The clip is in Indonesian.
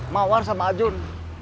mawar sama ajun